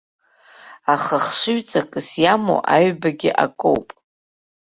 Аха хшыҩҵакыс иамоу аҩбагьы акоуп.